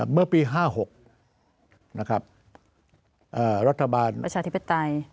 เมื่อปี๕๖